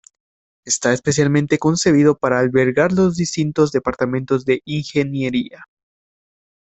Está especialmente concebido para albergar los distintos departamentos de ingeniería.